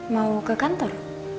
mau ke kantor